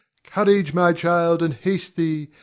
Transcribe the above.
Courage, my child, and haste thee.